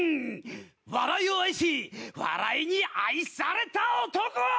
笑いを愛し笑いに愛された男！